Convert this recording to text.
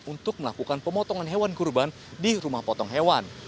untuk melakukan pemotongan hewan kurban di rumah potong hewan